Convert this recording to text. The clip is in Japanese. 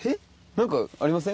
何かありません？